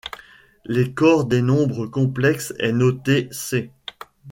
Le corps des nombres complexes est noté ℂ.